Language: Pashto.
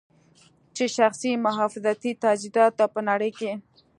چې شخصي محافظتي تجهیزاتو ته په نړۍ کې